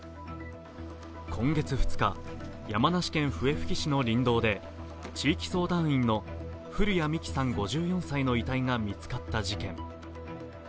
今月２日、山梨県笛吹市の林道で地域相談員の古屋美紀さん５４歳の遺体が見つかった事件。